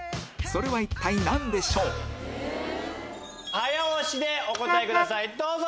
早押しでお答えくださいどうぞ！